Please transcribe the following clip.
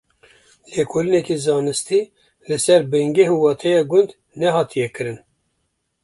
Lêkolîneke zanistî li ser bingeh û wateya gund nehatiye kirin.